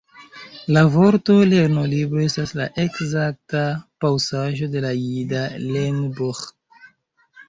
La vorto lernolibro estas la ekzakta paŭsaĵo de la jida lernbuĥ.